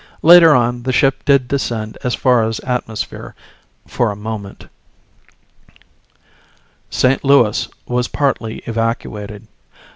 Later on the ship did descend as far as atmosphere, for a moment ... St. Louis was partly evacuated.